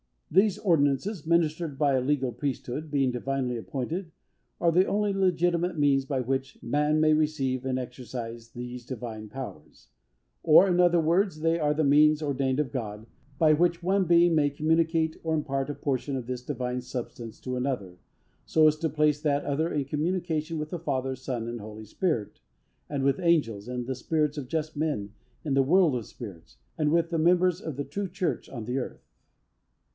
These ordinances, ministered by a legal Priesthood, being divinely appointed, are the only legitimate means by which man may receive and exercise these divine powers; or, in other words, they are the means ordained of God, by which one being may communicate or impart a portion of this divine substance to another, so as to place that other in communication with the Father, Son, and Holy Spirit, and with angels, and the spirits of just men in the world of spirits, and with the members of the true Church on the earth.